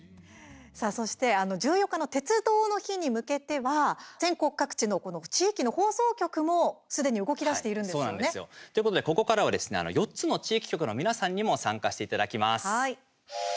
そして１４日の鉄道の日に向けては全国各地の地域の放送局もすでに動きだしているんですよね。ということでここからはですね４つの地域局の皆さんにも参加していただきます。